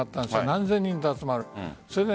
何千人と集まる。